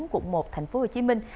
cục một thành phố hồ chí minh